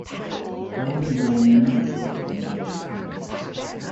Plans began immediately to rebuild the school.